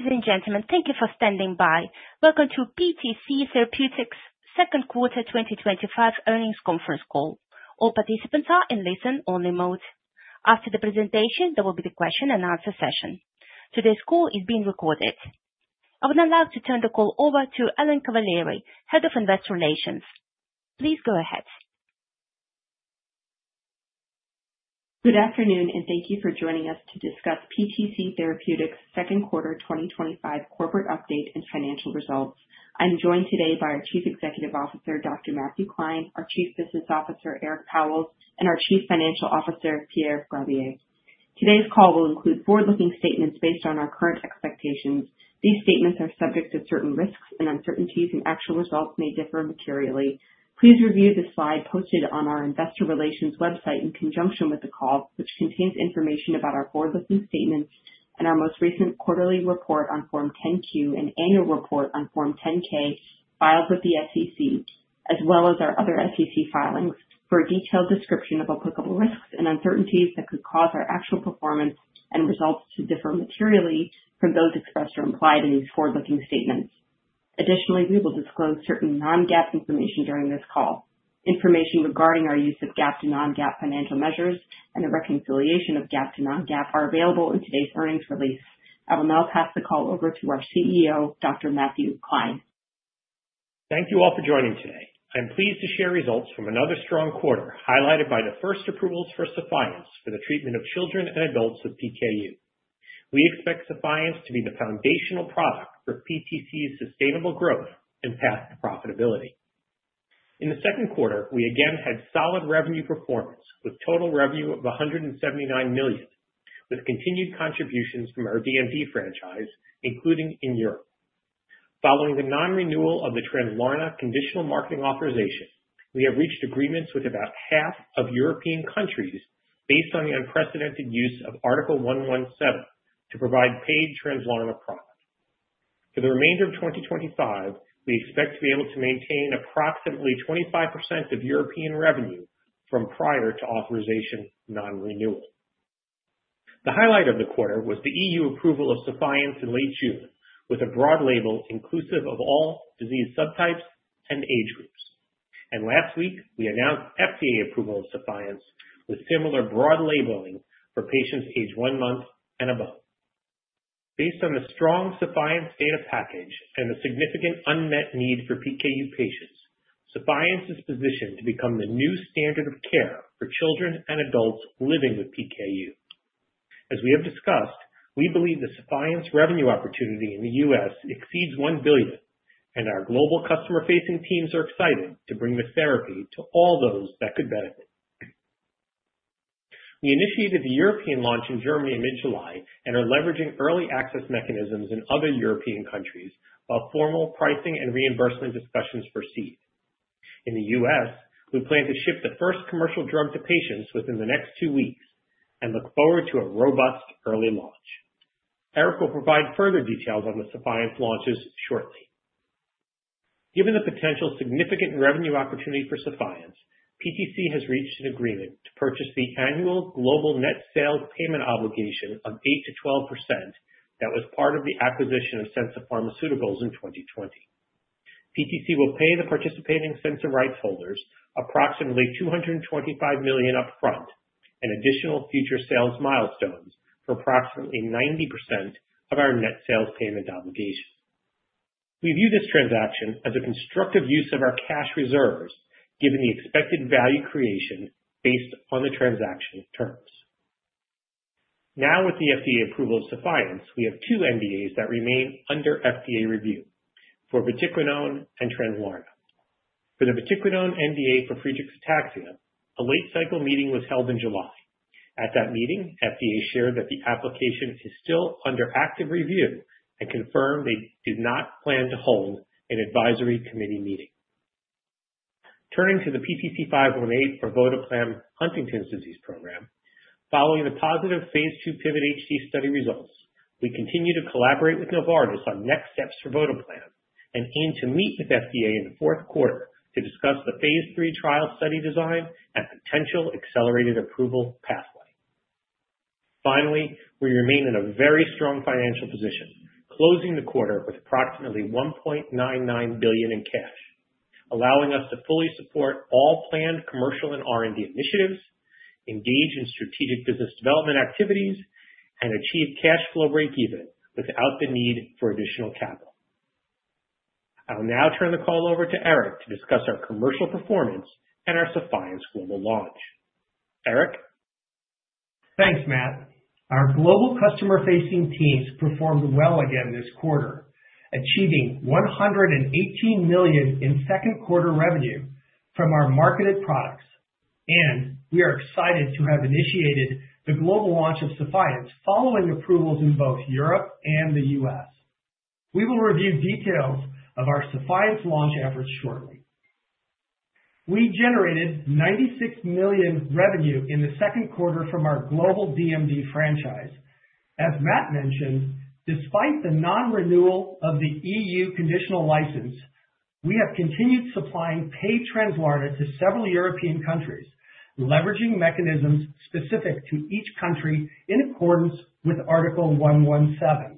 Ladies and gentlemen, thank you for standing by. Welcome to PTC Therapeutics' Second Quarter 2025 Earnings Conference Call. All participants are in listen-only mode. After the presentation, there will be the question and answer session. Today's call is being recorded. I would now like to turn the call over to Ellen Cavaleri, Head of Investor Relations. Please go ahead. Good afternoon, and thank you for joining us to discuss PTC Therapeutics' Second Quarter 2025 Corporate Update and Financial Results. I'm joined today by our Chief Executive Officer, Dr. Matthew Klein, our Chief Business Officer, Eric Pauwels, and our Chief Financial Officer, Pierre Gravier. Today's call will include forward-looking statements based on our current expectations. These statements are subject to certain risks and uncertainties, and actual results may differ materially. Please review the slide posted on our Investor Relations website in conjunction with the call, which contains information about our forward-looking statements and our most recent quarterly report on Form 10-Q and annual report on Form 10-K filed with the SEC, as well as our other SEC filings for a detailed description of applicable risks and uncertainties that could cause our actual performance and results to differ materially from those expressed or implied in these forward-looking statements. Additionally, we will disclose certain non-GAAP information during this call. Information regarding our use of GAAP to non-GAAP financial measures and the reconciliation of GAAP to non-GAAP are available in today's earnings release. I will now pass the call over to our CEO, Dr. Matthew Klein. Thank you all for joining today. I'm pleased to share results from another strong quarter highlighted by the first approvals for SEPHIENCE for the treatment of children and adults with PKU. We expect SEPHIENCE to be the foundational product for PTC's sustainable growth and path to profitability. In the second quarter, we again had solid revenue performance with total revenue of $179 million, with continued contributions from our DMD franchise, including in Europe. Following the non-renewal of the Translarna conditional marketing authorization, we have reached agreements with about half of European countries based on the unprecedented use of Article 117 mechanisms to provide paid Translarna profit. For the remainder of 2025, we expect to be able to maintain approximately 25% of European revenue from prior to authorization non-renewal. The highlight of the quarter was the EU approval of SEPHIENCE in late June with a broad label inclusive of all disease subtypes and age groups. Last week, we announced FDA approval of SEPHIENCE with similar broad labeling for patients aged one month and above. Based on the strong SEPHIENCE data package and the significant unmet need for PKU patients, SEPHIENCE is positioned to become the new standard of care for children and adults living with PKU. As we have discussed, we believe the SEPHIENCE revenue opportunity in the U.S. exceeds $1 billion, and our global customer-facing teams are excited to bring this therapy to all those that could benefit. We initiated the European launch in Germany in mid-July and are leveraging early access mechanisms in other European countries while formal pricing and reimbursement discussions proceed. In the U.S., we plan to ship the first commercial drug to patients within the next two weeks and look forward to a robust early launch. Eric will provide further details on the SEPHIENCE launches shortly. Given the potential significant revenue opportunity for SEPHIENCE, PTC has reached an agreement to purchase the annual global net sales payment obligation of 8%-12% that was part of the acquisition of Censa Pharmaceuticals in 2020. PTC will pay the participating Censa rights holders approximately $225 million upfront and additional future sales milestones for approximately 90% of our net sales payment obligation. We view this transaction as a constructive use of our cash reserves given the expected value creation based on the transaction terms. Now, with the FDA approval of SEPHIENCE, we have two NDAs that remain under FDA review for vatiquinone and Translarna. For the vatiquinone NDA for Friedreich's ataxia, a late-cycle meeting was held in July. At that meeting, FDA shared that the application is still under active review and confirmed they do not plan to hold an advisory committee meeting. Turning to the PTC518 for Huntington’s disease, following the positive Phase II PIVOT-HD study results, we continue to collaborate with Novartis on next steps for PTC518 and aim to meet with FDA in the fourth quarter to discuss the Phase III trial study design and potential accelerated approval pathway. Finally, we remain in a very strong financial position, closing the quarter with approximately $1.99 billion in cash, allowing us to fully support all planned commercial and R&D initiatives, engage in strategic business development activities, and achieve cash flow breakeven without the need for additional capital. I will now turn the call over to Eric to discuss our commercial performance and our SEPHIENCE global launch. Eric? Thanks, Matt. Our global customer-facing teams performed well again this quarter, achieving $118 million in second quarter revenue from our marketed products, and we are excited to have initiated the global launch of SEPHIENCE following approvals in both Europe and the U.S. We will review details of our SEPHIENCE launch efforts shortly. We generated $96 million in revenue in the second quarter from our global DMD franchise. As Matt mentioned, despite the non-renewal of the EU conditional marketing authorization, we have continued supplying paid Translarna to several European countries, leveraging mechanisms specific to each country in accordance with Article 117 mechanisms.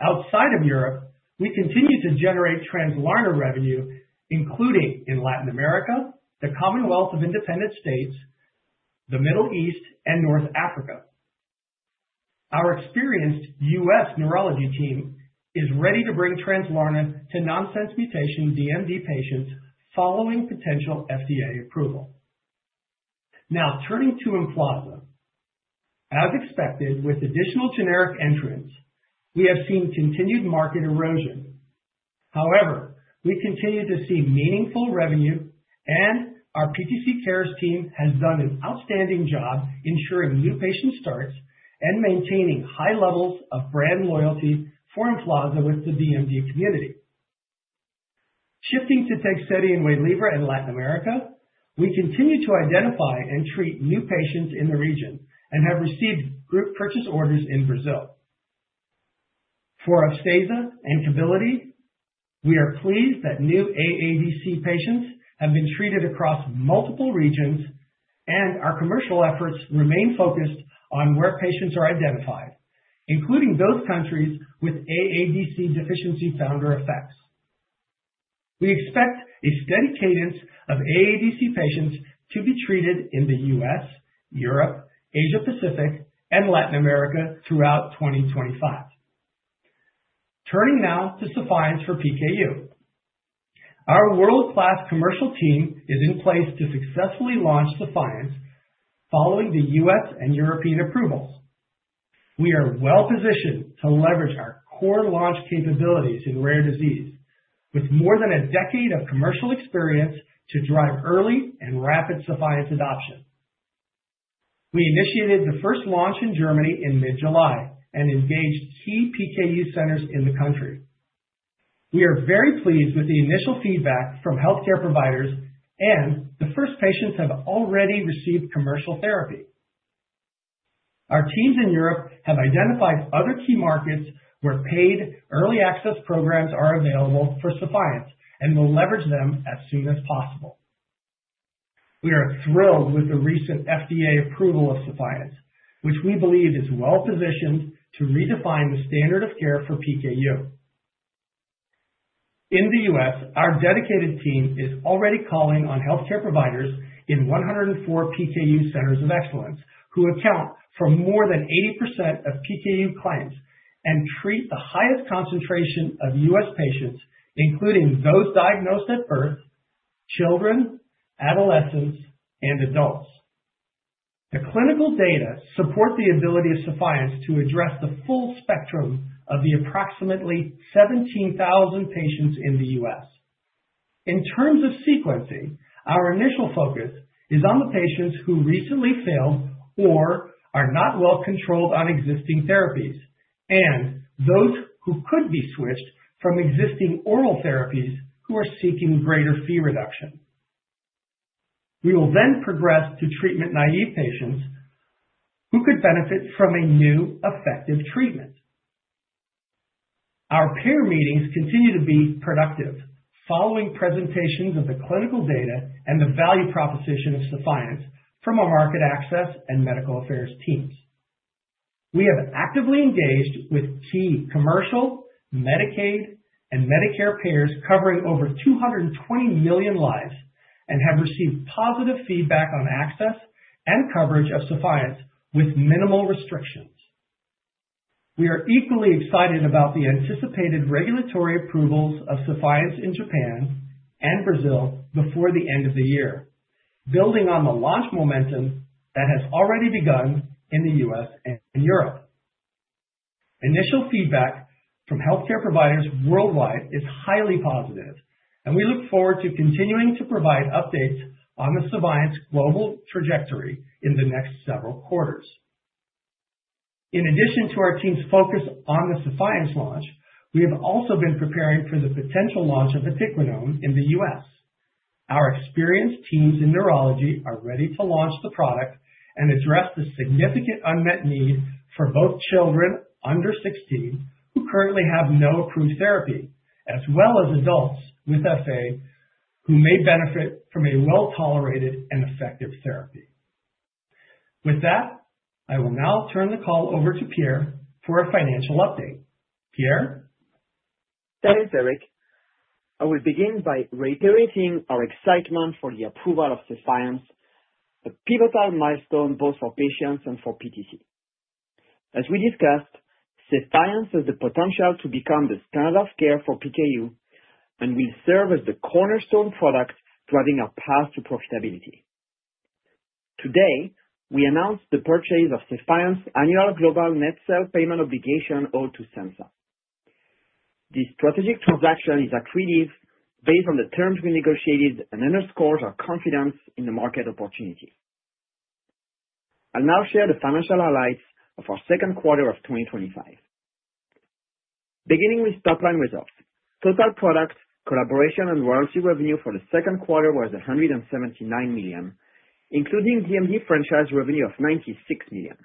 Outside of Europe, we continue to generate Translarna revenue, including in Latin America, the Commonwealth of Independent States, the Middle East, and North Africa. Our experienced U.S. neurology team is ready to bring Translarna to nonsense mutation DMD patients following potential FDA approval. Now, turning to Infliximab. As expected, with additional generic entrants, we have seen continued market erosion. However, we continue to see meaningful revenue, and our PTC Cares team has done an outstanding job ensuring new patient starts and maintaining high levels of brand loyalty for Infliximab with the DMD community. Shifting to TEGSEDI and WAYLIVRA in Latin America, we continue to identify and treat new patients in the region and have received group purchase orders in Brazil. For Upstaza and KEBILIDI, we are pleased that new AADC patients have been treated across multiple regions, and our commercial efforts remain focused on where patients are identified, including those countries with AADC deficiency founder effects. We expect a steady cadence of AADC patients to be treated in the U.S., Europe, Asia Pacific, and Latin America throughout 2025. Turning now to SEPHIENCE for PKU. Our world-class commercial team is in place to successfully launch SEPHIENCE following the U.S. and European approvals. We are well positioned to leverage our core launch capabilities in rare disease, with more than a decade of commercial experience to drive early and rapid SEPHIENCE adoption. We initiated the first launch in Germany in mid-July and engaged key PKU centers in the country. We are very pleased with the initial feedback from healthcare providers, and the first patients have already received commercial therapy. Our teams in Europe have identified other key markets where paid early access programs are available for SEPHIENCE and will leverage them as soon as possible. We are thrilled with the recent FDA approval of SEPHIENCE, which we believe is well positioned to redefine the standard of care for PKU. In the U.S., our dedicated team is already calling on healthcare providers in 104 PKU centers of excellence, who account for more than 80% of PKU claims and treat the highest concentration of U.S. patients, including those diagnosed at birth, children, adolescents, and adults. The clinical data support the ability of SEPHIENCE to address the full spectrum of the approximately 17,000 patients in the U.S. In terms of sequencing, our initial focus is on the patients who recently failed or are not well controlled on existing therapies and those who could be switched from existing oral therapies who are seeking greater fee reduction. We will then progress to treatment-naive patients who could benefit from a new effective treatment. Our peer meetings continue to be productive, following presentations of the clinical data and the value proposition of SEPHIENCE from our market access and medical affairs teams. We have actively engaged with key commercial, Medicaid, and Medicare payers covering over 220 million lives and have received positive feedback on access and coverage of SEPHIENCE with minimal restrictions. We are equally excited about the anticipated regulatory approvals of SEPHIENCE in Japan and Brazil before the end of the year, building on the launch momentum that has already begun in the U.S. and Europe. Initial feedback from healthcare providers worldwide is highly positive, and we look forward to continuing to provide updates on the SEPHIENCE global trajectory in the next several quarters. In addition to our team's focus on the SEPHIENCE launch, we have also been preparing for the potential launch of vatiquinone in the U.S. Our experienced teams in neurology are ready to launch the product and address the significant unmet need for both children under 16 who currently have no approved therapy, as well as adults with FA who may benefit from a well-tolerated and effective therapy. With that, I will now turn the call over to Pierre for a financial update. Pierre. Thanks, Eric. I will begin by reiterating our excitement for the approval of SEPHIENCE, a pivotal milestone both for patients and for PTC. As we discussed, SEPHIENCE has the potential to become the standard of care for PKU and will serve as the cornerstone product driving our path to profitability. Today, we announced the purchase of SEPHIENCE's annual global net sales payment obligation owed to Censa Pharmaceuticals. The strategic transaction is accretive based on the terms we negotiated and underscores our confidence in the market opportunity. I'll now share the financial highlights of our second quarter of 2025. Beginning with top-line results, total product, collaboration, and royalty revenue for the second quarter was $179 million, including DMD franchise revenue of $96 million.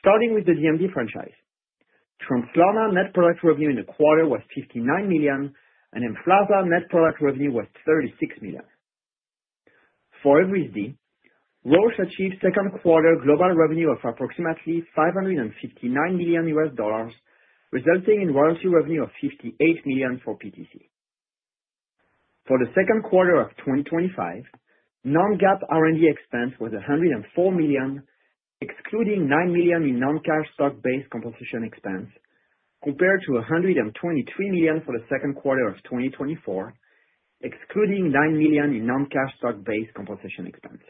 Starting with the DMD franchise, Translarna net product revenue in the quarter was $59 million, and EMFLAZA net product revenue was $36 million. For Evrysdi, Roche achieved second quarter global revenue of approximately $559 million, resulting in royalty revenue of $58 million for PTC. For the second quarter of 2025, non-GAAP R&D expense was $104 million, excluding $9 million in non-cash stock-based compensation expense, compared to $123 million for the second quarter of 2024, excluding $9 million in non-cash stock-based compensation expense.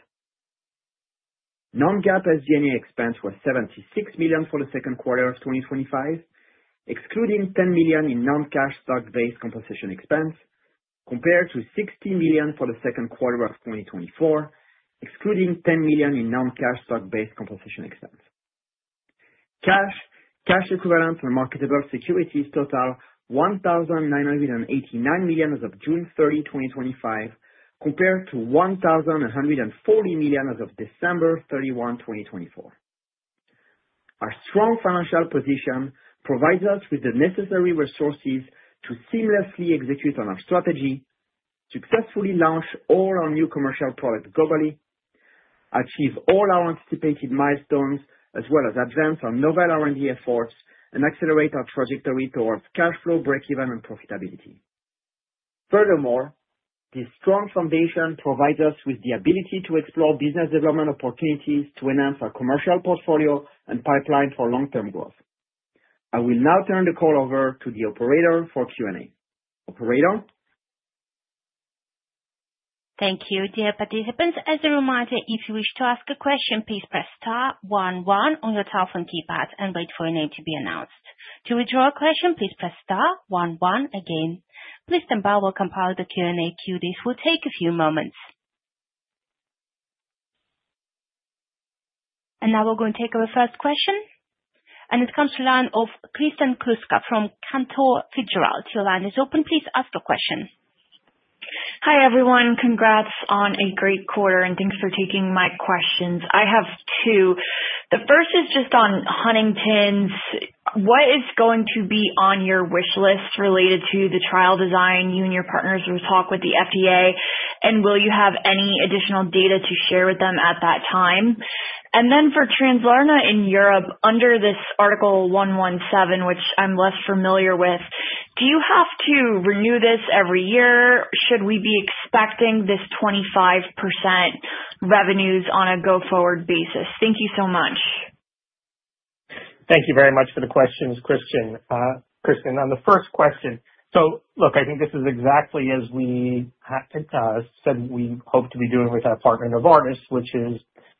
Non-GAAP SG&A expense was $76 million for the second quarter of 2025, excluding $10 million in non-cash stock-based compensation expense, compared to $16 million for the second quarter of 2024, excluding $10 million in non-cash stock-based compensation expense. Cash, equivalents, and marketable securities totaled $1,989 million as of June 30, 2025, compared to $1,140 million as of December 31, 2024. Our strong financial position provides us with the necessary resources to seamlessly execute on our strategy, successfully launch all our new commercial products globally, achieve all our anticipated milestones, as well as advance our novel R&D efforts and accelerate our trajectory towards cash flow breakeven and profitability. Furthermore, this strong foundation provides us with the ability to explore business development opportunities to enhance our commercial portfolio and pipeline for long-term growth. I will now turn the call over to the operator for Q&A. Operator? Thank you, dear participants. As a reminder, if you wish to ask a question, please press star one one on your telephone keypad and wait for your name to be announced. To withdraw a question, please press star one one again. Please standby while we compile the Q&A queue. This will take a few moments. We are going to take our first question. It comes to the line of Kristen Kluska from Cantor Fitzgerald. Your line is open. Please ask your question. Hi, everyone. Congrats on a great quarter and thanks for taking my questions. I have two. The first is just on Huntington's. What is going to be on your wish list related to the trial design? You and your partners will talk with the FDA, and will you have any additional data to share with them at that time? For Translarna in Europe, under this Article 117, which I'm less familiar with, do you have to renew this every year? Should we be expecting this 25% revenues on a go-forward basis? Thank you so much. Thank you very much for the questions, Kristen. Kristen, on the first question, I think this is exactly as we had said we hope to be doing with our partner Novartis, which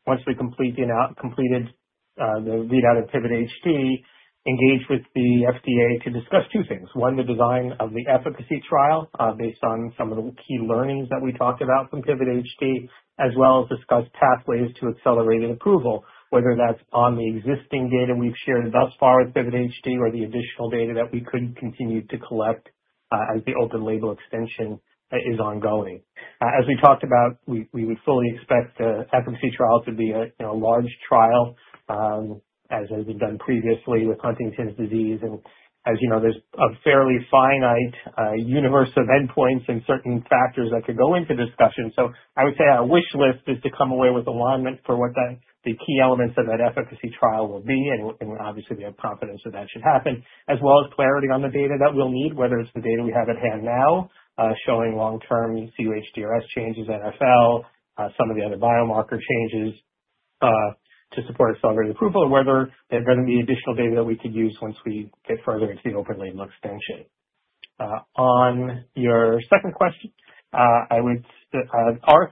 is once we complete the readout of PIVOT-HD, engage with the FDA to discuss two things. One, the design of the efficacy trial based on some of the key learnings that we talked about from PIVOT-HD, as well as discuss pathways to accelerated approval, whether that's on the existing data we've shared thus far with PIVOT-HD or the additional data that we could continue to collect as the open label extension is ongoing. As we talked about, we would fully expect the efficacy trial to be a large trial, as has been done previously with Huntington’s disease. As you know, there's a fairly finite universe of endpoints and certain factors that could go into discussion. I would say our wish list is to come away with alignment for what the key elements of that efficacy trial will be. Obviously, we have confidence that that should happen, as well as clarity on the data that we'll need, whether it's the data we have at hand now showing long-term cUHDRS changes, NFL, some of the other biomarker changes to support accelerated approval, or whether there's going to be additional data that we could use once we get further into the open label extension. On your second question, Article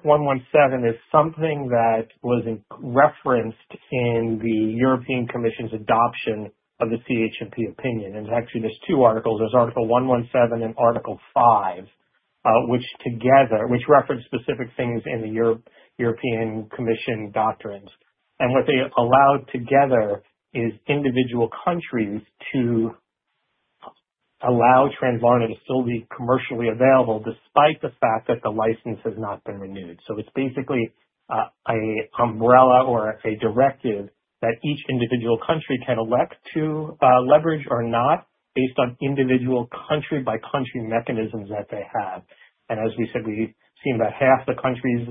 117 is something that was referenced in the European Commission's adoption of the CHMP opinion. Actually, there's two articles. There's Article 117 and Article 5, which together reference specific things in the European Commission doctrines. What they allowed together is individual countries to allow Translarna to still be commercially available despite the fact that the license has not been renewed. It's basically an umbrella or a directive that each individual country can elect to leverage or not based on individual country-by-country mechanisms that they have. As we said, we've seen about half the countries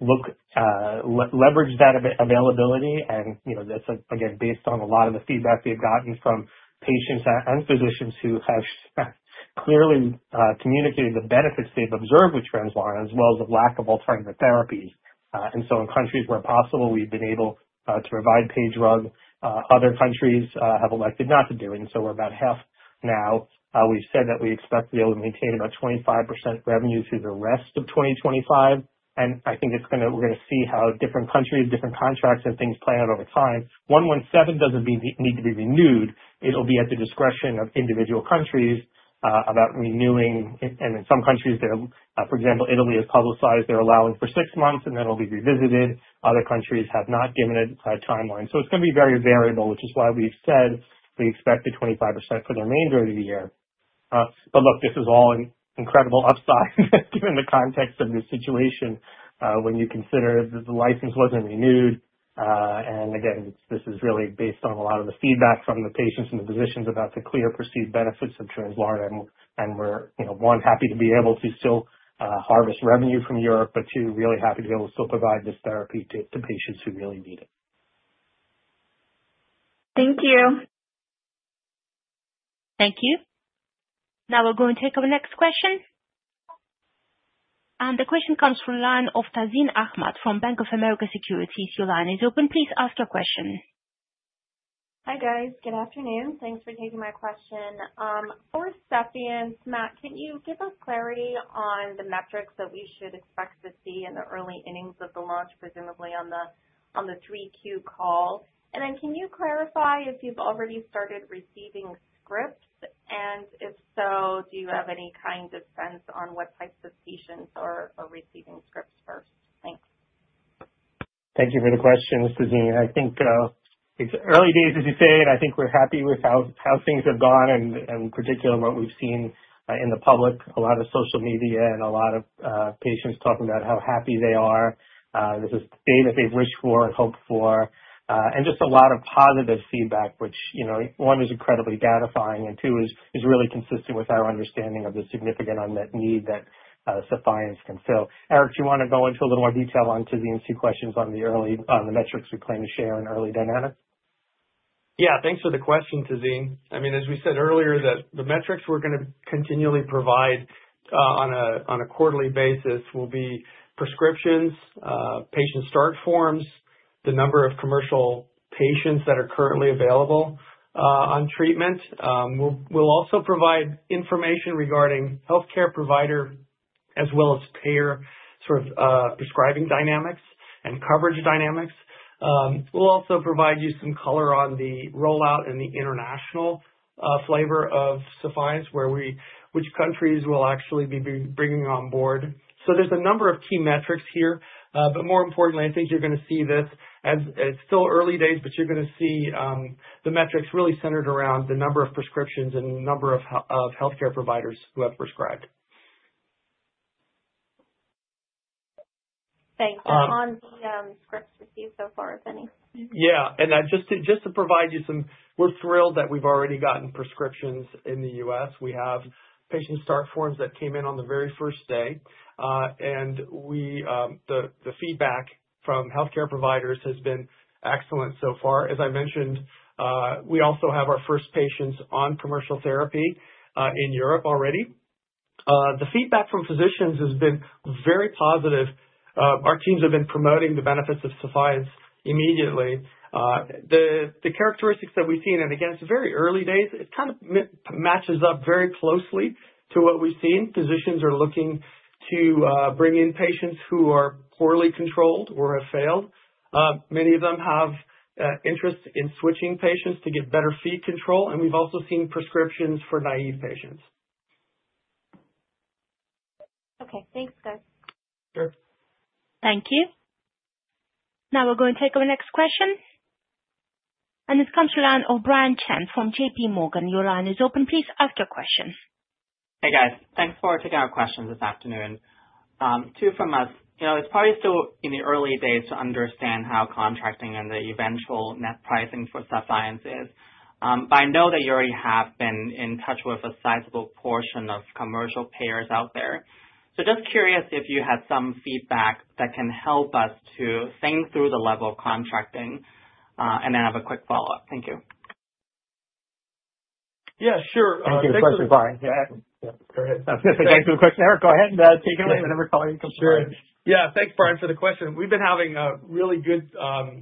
leverage that availability. That's, again, based on a lot of the feedback they've gotten from patients and physicians who have clearly communicated the benefits they've observed with Translarna, as well as the lack of alternative therapies. In countries where possible, we've been able to provide paid drugs. Other countries have elected not to do it. We're about half now. We've said that we expect to be able to maintain about 25% revenue through the rest of 2025. I think we're going to see how different countries, different contracts, and things play out over time. Article 117 mechanisms don't need to be renewed. It'll be at the discretion of individual countries about renewing. In some countries, for example, Italy has publicized they're allowing for six months, and then it'll be revisited. Other countries have not given it a timeline. It's going to be very variable, which is why we've said we expect the 25% for the remainder of the year. This is all an incredible upside given the context of this situation when you consider that the license wasn't renewed. This is really based on a lot of the feedback from the patients and the physicians about the clear perceived benefits of Translarna. We're, you know, one, happy to be able to still harvest revenue from Europe, but two, really happy to be able to still provide this therapy to patients who really need it. Thank you. Thank you. Now we're going to take our next question. The question comes from the line of Tazeen Ahmad from Bank of America Securities. Your line is open. Please ask your question. Hi, guys. Good afternoon. Thanks for taking my question. For SEPHIENCE, Matt, can you give us clarity on the metrics that we should expect to see at the early innings of the launch, presumably on the 3Q call? Can you clarify if you've already started receiving scripts? If so, do you have any kind of sense on what types of patients are receiving scripts first? Thanks. Thank you for the question, Ms. Tazeen. I think it's early days, as you say, and I think we're happy with how things have gone. In particular, what we've seen in the public, a lot of social media and a lot of patients talking about how happy they are. This is the thing that they've wished for and hoped for. There is just a lot of positive feedback, which, you know, one, is incredibly gratifying and, two, is really consistent with our understanding of the significant unmet need that SEPHIENCE can fill. Eric, do you want to go into a little more detail on Tazin's two questions on the early metrics we plan to share in early dynamic? Yeah, thanks for the question, Tazeen. As we said earlier, the metrics we're going to continually provide on a quarterly basis will be prescriptions, patient start forms, the number of commercial patients that are currently available on treatment. We'll also provide information regarding healthcare provider as well as payer sort of prescribing dynamics and coverage dynamics. We'll also provide you some color on the rollout and the international flavor of SEPHIENCE, which countries will actually be bringing on board. There are a number of key metrics here. More importantly, I think you're going to see this as it's still early days, but you're going to see the metrics really centered around the number of prescriptions and the number of healthcare providers who have prescribed. Thank you. On the scripts received so far, if any? Yeah. To provide you some, we're thrilled that we've already gotten prescriptions in the U.S. We have patient start forms that came in on the very first day, and the feedback from healthcare providers has been excellent so far. As I mentioned, we also have our first patients on commercial therapy in Europe already. The feedback from physicians has been very positive. Our teams have been promoting the benefits of SEPHIENCE immediately. The characteristics that we've seen, and again, it's very early days, kind of match up very closely to what we've seen. Physicians are looking to bring in patients who are poorly controlled or have failed. Many of them have interest in switching patients to get better fee control, and we've also seen prescriptions for naive patients. Okay. Thanks, guys. Sure. Thank you. Now we're going to take our next question. This comes to the line of Brian Chen from JPMorgan. Your line is open. Please ask your question. Hey, guys. Thanks for taking our questions this afternoon. Two from us. It's probably still in the early days to understand how contracting and the eventual net pricing for SEPHIENCE is, but I know that you already have been in touch with a sizable portion of commercial payers out there. Just curious if you had some feedback that can help us to think through the level of contracting and then have a quick follow-up. Thank you. Yeah, sure. I think. Thanks, Brian. Go ahead. Thanks for the question. Eric, go ahead. Take it away. I remember calling you from security. Yeah, thanks, Brian, for the question. We've been having really good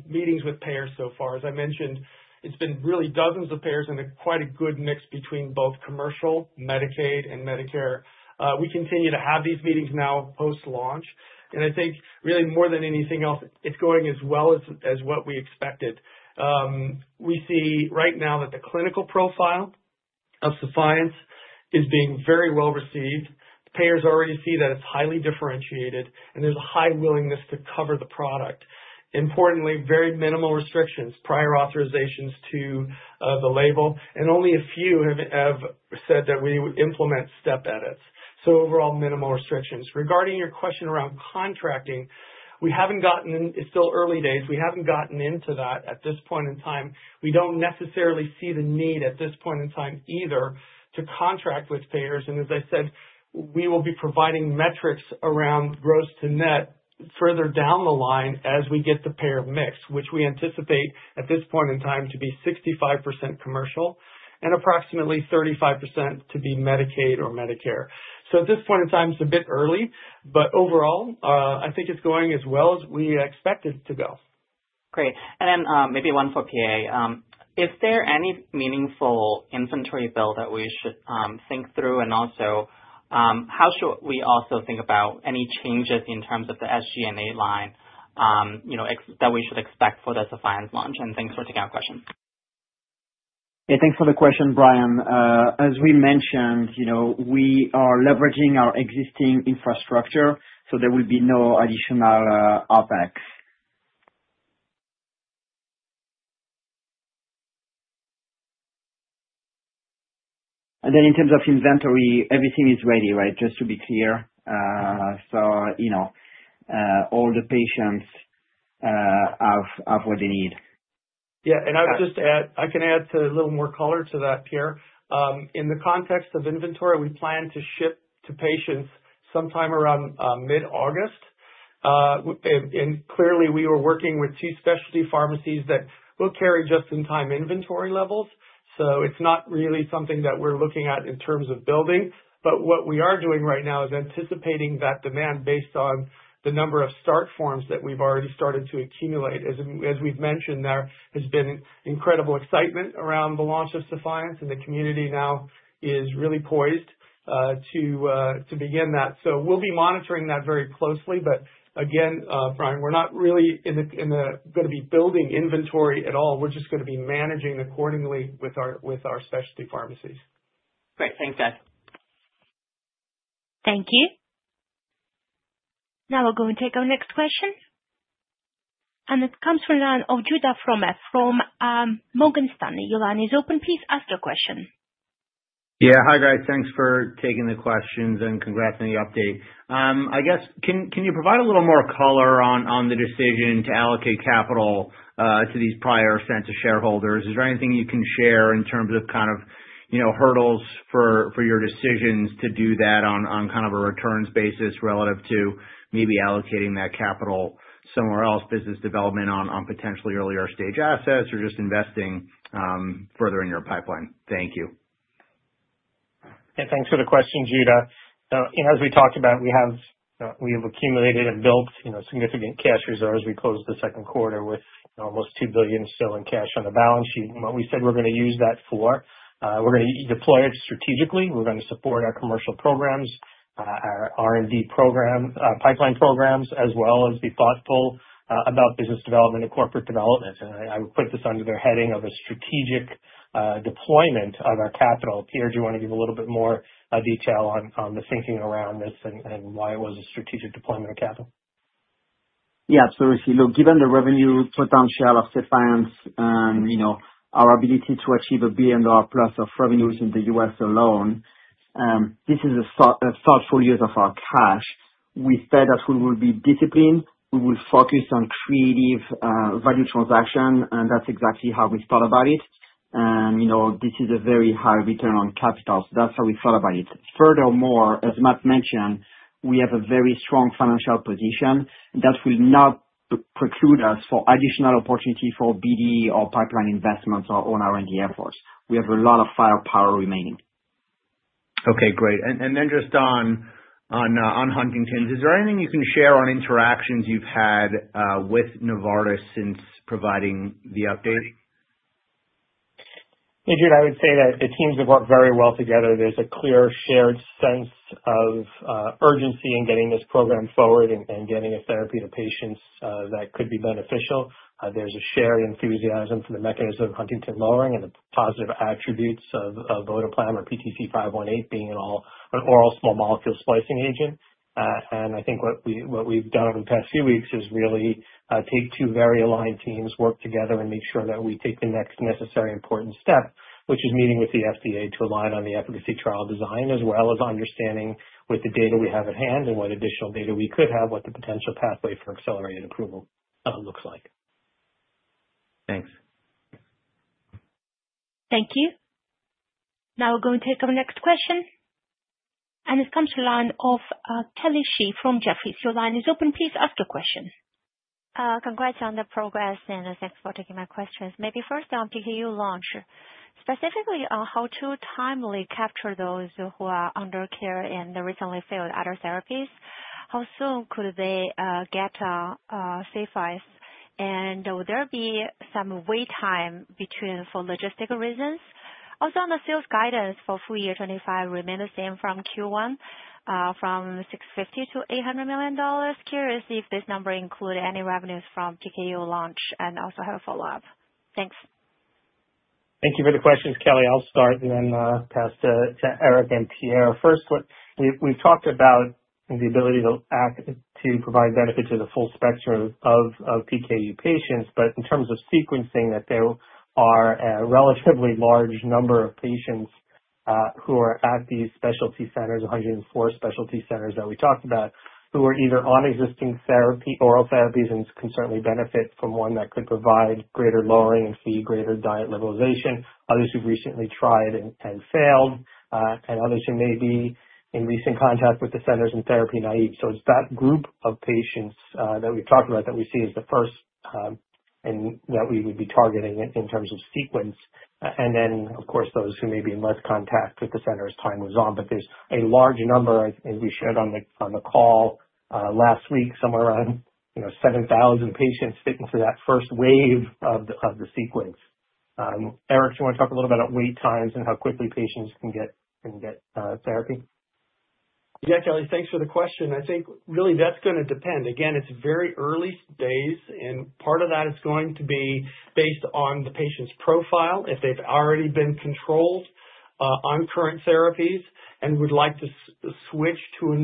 meetings with payers so far. As I mentioned, it's been really dozens of payers and quite a good mix between both commercial, Medicaid, and Medicare. We continue to have these meetings now post-launch. I think really, more than anything else, it's going as well as what we expected. We see right now that the clinical profile of SEPHIENCE is being very well received. Payers already see that it's highly differentiated, and there's a high willingness to cover the product. Importantly, very minimal restrictions, prior authorizations to the label, and only a few have said that we implement step edits. Overall, minimal restrictions. Regarding your question around contracting, we haven't gotten—it's still early days. We haven't gotten into that at this point in time. We don't necessarily see the need at this point in time either to contract with payers. As I said, we will be providing metrics around gross to net further down the line as we get the payer mix, which we anticipate at this point in time to be 65% commercial and approximately 35% to be Medicaid or Medicare. At this point in time, it's a bit early, but overall, I think it's going as well as we expect it to go. Great. Maybe one for Pierre. Is there any meaningful inventory build that we should think through? Also, how should we think about any changes in terms of the SG&A line that we should expect for the SEPHIENCE launch? Thanks for taking our questions. Yeah, thanks for the question, Brian. As we mentioned, we are leveraging our existing infrastructure, so there will be no additional OpEx. In terms of inventory, everything is ready, right? Just to be clear, all the patients have what they need. Yeah. I'll just add, I can add a little more color to that, Pierre. In the context of inventory, we plan to ship to patients sometime around mid-August. Clearly, we were working with two specialty pharmacies that will carry just-in-time inventory levels. It's not really something that we're looking at in terms of building. What we are doing right now is anticipating that demand based on the number of start forms that we've already started to accumulate. As we've mentioned, there has been incredible excitement around the launch of SEPHIENCE, and the community now is really poised to begin that. We'll be monitoring that very closely. Again, Brian, we're not really going to be building inventory at all. We're just going to be managing accordingly with our specialty pharmacies. Great. Thanks, guys. Thank you. Now we're going to take our next question. This comes from the line of Judah Frommer from Morgan Stanley. Your line is open. Please ask your question. Hi, guys. Thanks for taking the questions and congrats on the update. Can you provide a little more color on the decision to allocate capital to these prior Censa shareholders? Is there anything you can share in terms of hurdles for your decisions to do that on a returns basis relative to maybe allocating that capital somewhere else, business development on potentially earlier stage assets, or just investing further in your pipeline? Thank you. Hey, thanks for the question, Judah. As we talked about, we have accumulated and built significant cash reserves. We closed the second quarter with almost $2 billion still in cash on the balance sheet. What we said we're going to use that for, we're going to deploy it strategically. We're going to support our commercial programs, our R&D program, pipeline programs, as well as be thoughtful about business development and corporate development. I would put this under the heading of a strategic deployment of our capital. Pierre, do you want to give a little bit more detail on the thinking around this and why it was a strategic deployment of capital? Yeah, absolutely. Look, given the revenue total share of SEPHIENCE and, you know, our ability to achieve $1 billion+ of revenues in the U.S. alone, this is a thoughtful use of our cash. We said that we will be disciplined. We will focus on creative value transactions, and that's exactly how we thought about it. This is a very high return on capital. That's how we thought about it. Furthermore, as Matt mentioned, we have a very strong financial position that will not preclude us from additional opportunity for BD or pipeline investments or own R&D efforts. We have a lot of firepower remaining. Okay, great. Just on Huntington's, is there anything you can share on interactions you've had with Novartis since providing the update? Judah, I would say that the teams have worked very well together. There's a clear shared sense of urgency in getting this program forward and getting a therapy to patients that could be beneficial. There's a shared enthusiasm for the mechanism of Huntington lowering and the positive attributes of PTC518 being an oral small molecule splicing agent. I think what we've done over the past few weeks is really take two very aligned teams, work together, and make sure that we take the next necessary important step, which is meeting with the FDA to align on the efficacy trial design, as well as understanding with the data we have at hand and what additional data we could have, what the potential pathway for accelerated approval looks like. Thanks. Thank you. Now we're going to take our next question. This comes to the line of Kelly Shi from Jefferies. Your line is open. Please ask your question. Congrats on the progress and thanks for taking my questions. Maybe first on PKU launch, specifically on how to timely capture those who are under care and recently failed other therapies. How soon could they get SEPHIENCE? Will there be some wait time for logistical reasons? Also, on the sales guidance for full year 2025, does it remain the same from Q1, from $650 million-$800 million? Curious if this number includes any revenues from PKU launch and also have a follow-up. Thanks. Thank you for the questions, Kelly. I'll start and then pass to Eric and Pierre. First, we've talked about the ability to provide benefit to the full spectrum of PKU patients. In terms of sequencing, there are a relatively large number of patients who are at these specialty centers, 104 specialty centers that we talked about, who are either on existing therapy, oral therapies, and can certainly benefit from one that could provide greater lowering and see greater diet liberalization. Others who've recently tried and failed, and others who may be in recent contact with the centers and therapy naive. It's that group of patients that we've talked about that we see as the first and that we would be targeting in terms of sequence. Of course, those who may be in less contact with the center as time goes on. There's a large number, as we shared on the call last week, somewhere around 7,000 patients fitting for that first wave of the sequence. Eric, do you want to talk a little bit about wait times and how quickly patients can get therapy? Yeah, Kelly, thanks for the question. I think really that's going to depend. Again, it's very early days, and part of that is going to be based on the patient's profile. If they've already been controlled on current therapies and would like to switch to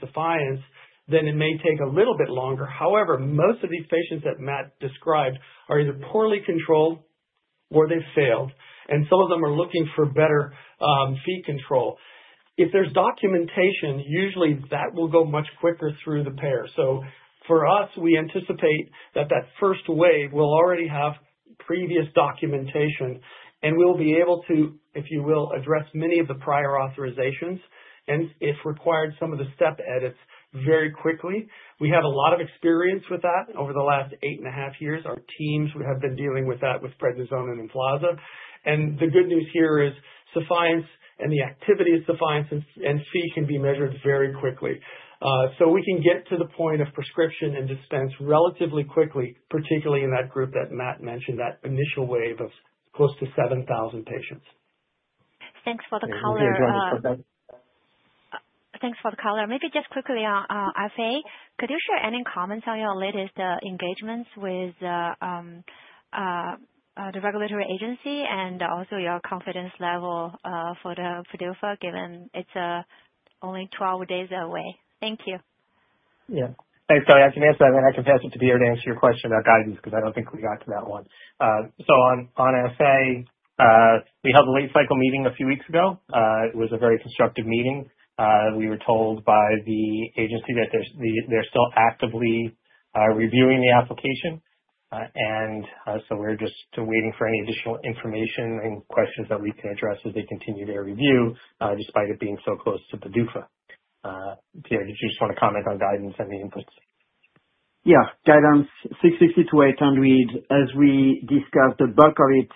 SEPHIENCE, it may take a little bit longer. However, most of these patients that Matt described are either poorly controlled or they've failed. Some of them are looking for better fee control. If there's documentation, usually that will go much quicker through the payer. For us, we anticipate that the first wave will already have previous documentation and will be able to, if you will, address many of the prior authorizations and, if required, some of the step edits very quickly. We have a lot of experience with that over the last eight and a half years. Our teams have been dealing with that with Prednisone and EMFLAZA. The good news here is SEPHIENCE and the activity of SEPHIENCE and fee can be measured very quickly. We can get to the point of prescription and dispense relatively quickly, particularly in that group that Matt mentioned, that initial wave of close to 7,000 patients. Thanks for the color. Maybe just quickly, could you share any comments on your latest engagements with the regulatory agency and also your confidence level for the PDUFA, given it's only 12 days away? Thank you. Yeah. Thanks, Kelly. I can answer that, and I can pass it to Pierre to answer your question about guidance because I don't think we got to that one. On FA, we held a late-cycle meeting a few weeks ago. It was a very constructive meeting. We were told by the agency that they're still actively reviewing the application. We're just waiting for any additional information and questions that we can address as they continue their review despite it being so close to Feduca. Pierre, did you just want to comment on guidance and the inputs? Yeah. Guidance, $660 million-$800 million. As we discussed, the bulk of it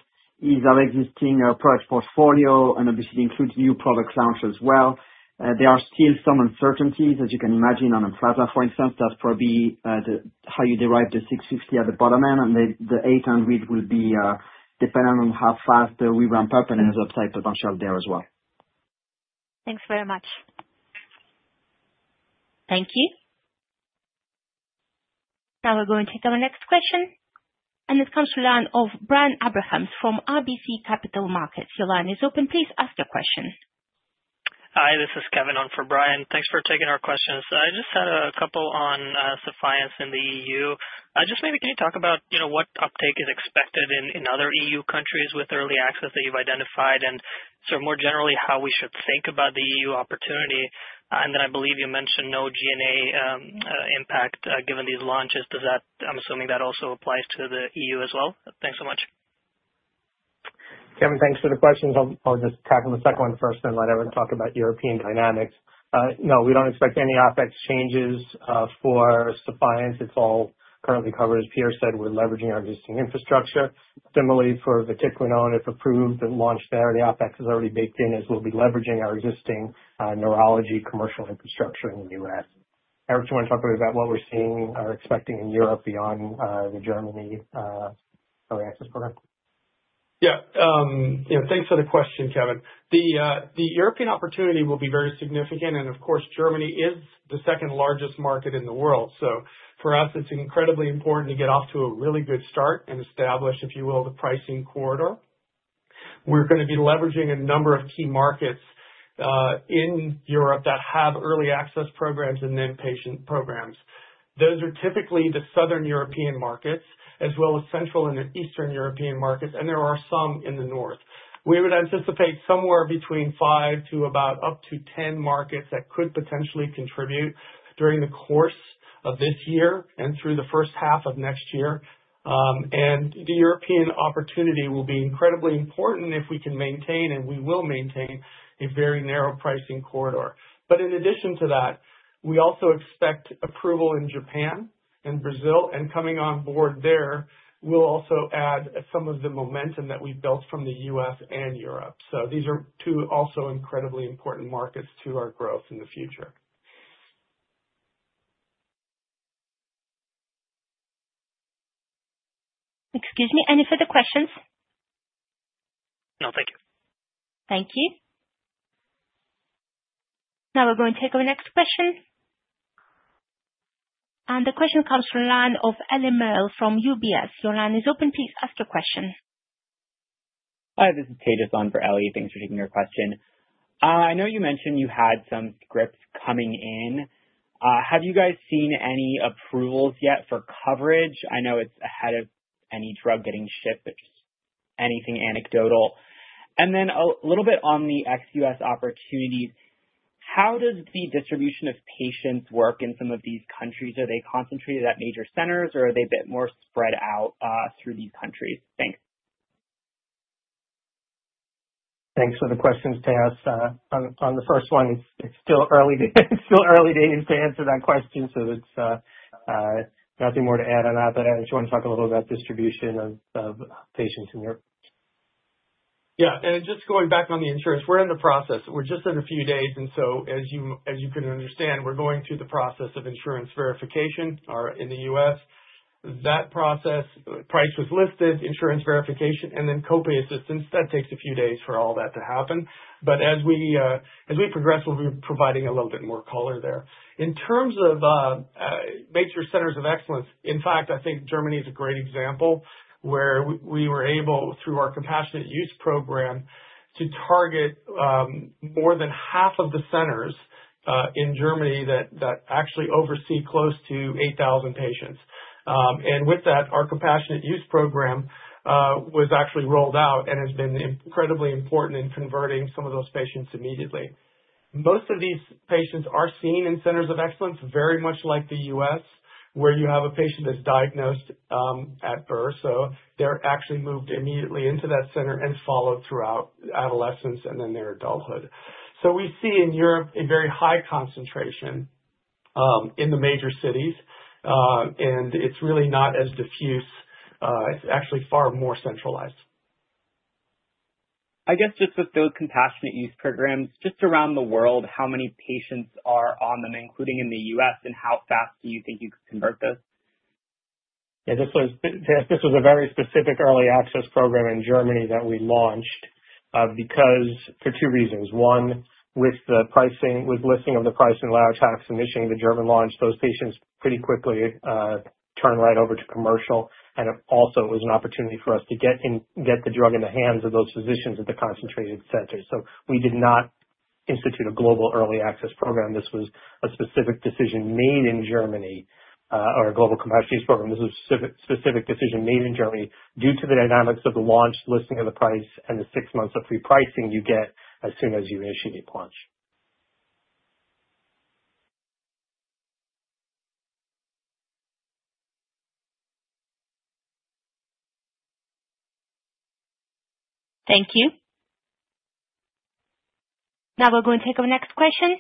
is our existing rare disease portfolio, and obviously, it includes new product launch as well. There are still some uncertainties, as you can imagine, on influenza, for instance. That's probably how you derive the $650 million at the bottom end, and the $800 million will be dependent on how fast we ramp up and ends up type of a bunch of there as well. Thanks very much. Thank you. Now we're going to take our next question. This comes to the line of Brian Abrahams from RBC Capital Markets. Your line is open. Please ask your question. Hi, this is Kevin on for Brian. Thanks for taking our questions. I just had a couple on SEPHIENCE in the EU. Maybe can you talk about what uptake is expected in other EU countries with early access that you've identified and more generally how we should think about the EU opportunity? I believe you mentioned no G&A impact given these launches. I'm assuming that also applies to the EU as well. Thanks so much. Kevin, thanks for the questions. I'll just tackle the second one first and let everyone talk about European dynamics. No, we don't expect any OpEx changes for SEPHIENCE. It's all currently covered, as Pierre said. We're leveraging our existing infrastructure. Similarly, for vatiquinone, if approved and launched there, the OpEx is already baked in as we'll be leveraging our existing neurology commercial infrastructure in the U.S. Eric, do you want to talk about what we're seeing or expecting in Europe beyond the Germany early access program? Yeah, thanks for the question, Kevin. The European opportunity will be very significant. Germany is the second largest market in the world. For us, it's incredibly important to get off to a really good start and establish, if you will, the pricing corridor. We're going to be leveraging a number of key markets in Europe that have early access programs and then patient programs. Those are typically the southern European markets, as well as central and eastern European markets, and there are some in the north. We would anticipate somewhere between five to about up to 10 markets that could potentially contribute during the course of this year and through the first half of next year. The European opportunity will be incredibly important if we can maintain, and we will maintain, a very narrow pricing corridor. In addition to that, we also expect approval in Japan and Brazil, and coming on board there will also add some of the momentum that we've built from the U.S. and Europe. These are two also incredibly important markets to our growth in the future. Excuse me, any further questions? No, thank you. Thank you. Now we're going to take our next question. The question comes from the line of Ellie Merle from UBS. Your line is open. Please ask your question. Hi, this is Tate on for Ellie. Thanks for taking your question. I know you mentioned you had some scripts coming in. Have you guys seen any approvals yet for coverage? I know it's ahead of any drug getting shipped, but just anything anecdotal. A little bit on the ex-U.S. opportunities. How does the distribution of patients work in some of these countries? Are they concentrated at major centers, or are they a bit more spread out through these countries? Thanks. Thanks for the questions, Tate. On the first one, it's still early days to answer that question. There's nothing more to add on that. I just want to talk a little about distribution of patients in Europe. Yeah. Just going back on the insurance, we're in the process. We're just in a few days, and as you can understand, we're going through the process of insurance verification in the U.S. That process, price was listed, insurance verification, and then copay assistance. That takes a few days for all that to happen. As we progress, we'll be providing a little bit more color there. In terms of major centers of excellence, I think Germany is a great example where we were able, through our Compassionate Use program, to target more than half of the centers in Germany that actually oversee close to 8,000 patients. With that, our Compassionate Use program was actually rolled out and has been incredibly important in converting some of those patients immediately. Most of these patients are seen in centers of excellence, very much like the U.S., where you have a patient that's diagnosed at birth. They're actually moved immediately into that center and followed throughout adolescence and then their adulthood. We see in Europe a very high concentration in the major cities, and it's really not as diffuse. It's actually far more centralized. I guess just with those Compassionate Use programs, just around the world, how many patients are on them, including in the U.S., and how fast do you think you could convert those? Yeah, this was a very specific early access program in Germany that we launched for two reasons. One, with the listing of the pricing layouts and issuing the German launch, those patients pretty quickly turned right over to commercial. It was also an opportunity for us to get the drug in the hands of those physicians at the concentrated centers. We did not institute a global early access program or a global Compassionate Use program. This was a specific decision made in Germany due to the dynamics of the launch, listing of the price, and the six months of free pricing you get as soon as you initiate launch. Thank you. Now we're going to take our next question.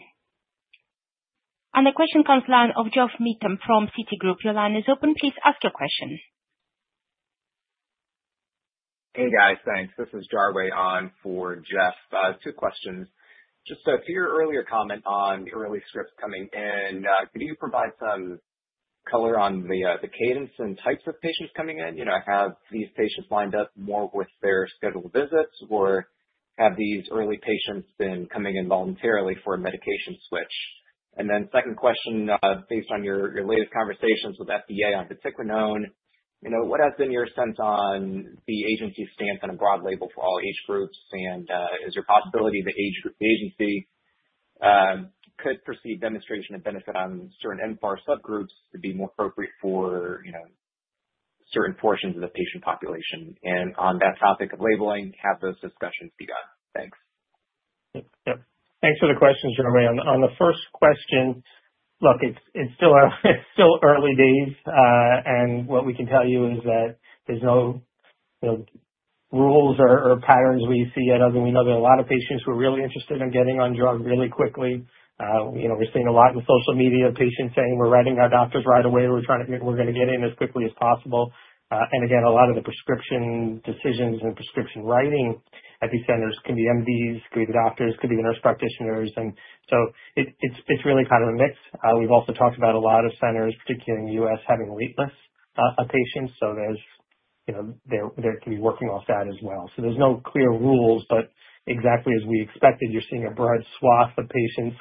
The question comes to the line of Geoff Meacham from Citigroup. Your line is open. Please ask your question. Hey, guys. Thanks. This is Jarwei on for Geoff. Two questions. Just to your earlier comment on early scripts coming in, could you provide some color on the cadence and types of patients coming in? Have these patients lined up more with their scheduled visits, or have these early patients been coming in voluntarily for a medication switch? Second question, based on your latest conversations with FDA on vatiquinone, what has been your sense on the agency's stance on a broad label for all age groups? Is there a possibility the agency could perceive demonstration of benefit on certain NFR subgroups to be more appropriate for certain portions of the patient population? On that topic of labeling, have those discussions begun? Thanks. Yep. Thanks for the questions, Jarwei. On the first question, look, it's still early days. What we can tell you is that there's no rules or patterns we see yet. I mean, we know there are a lot of patients who are really interested in getting on drug really quickly. We're seeing a lot in social media of patients saying, "We're writing our doctors right away. We're trying to, we're going to get in as quickly as possible." A lot of the prescription decisions and prescription writing at these centers can be MDs, could be the doctors, could be the nurse practitioners. It's really kind of a mix. We've also talked about a lot of centers, particularly in the United States, having waitlist patients. There could be working off that as well. There's no clear rules, but exactly as we expected, you're seeing a broad swath of patients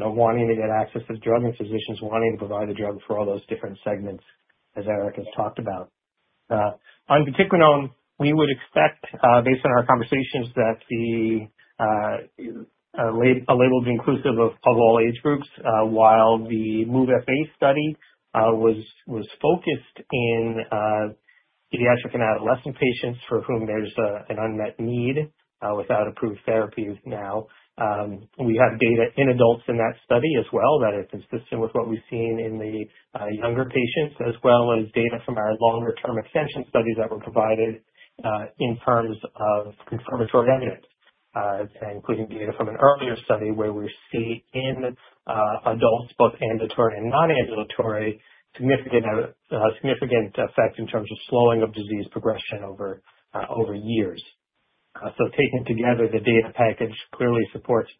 wanting to get access to the drug and physicians wanting to provide the drug for all those different segments, as Eric has talked about. On vatiquinone, we would expect, based on our conversations, that the label to be inclusive of all age groups. While the MOVE-FA study was focused in pediatric and adolescent patients for whom there's an unmet need without approved therapy now, we have data in adults in that study as well that are consistent with what we've seen in the younger patients as well as data from our longer-term extension studies that were provided in terms of confirmatory evidence, including data from an earlier study where we're seeing in adults, both ambulatory and non-ambulatory, significant effect in terms of slowing of disease progression over years. Taken together, the data package clearly supports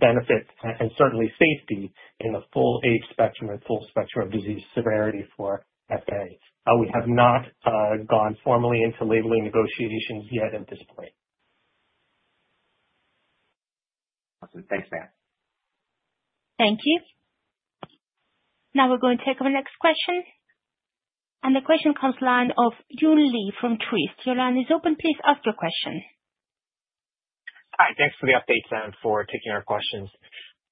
benefit and certainly safety in the full age spectrum and full spectrum of disease severity for FA. We have not gone formally into labeling negotiations yet at this point. Awesome. Thanks, Matt. Thank you. Now we are going to take our next question. The question comes to the line of Joon Lee from Truist. Your line is open. Please ask your question. Hi, thanks for the updates and for taking our questions.